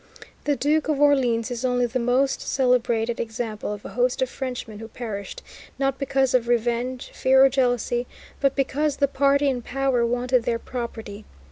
The Duke of Orleans is only the most celebrated example of a host of Frenchmen who perished, not because of revenge, fear, or jealousy, but because the party in power wanted their property.